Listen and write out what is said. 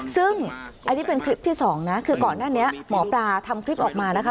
ซึ่งอันนี้เป็นคลิปที่สองนะคือก่อนหน้านี้หมอปลาทำคลิปออกมานะคะ